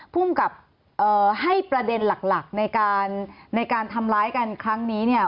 ภูมิกับให้ประเด็นหลักในการในการทำร้ายกันครั้งนี้เนี่ย